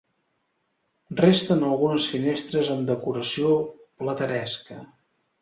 Resten algunes finestres amb decoració plateresca.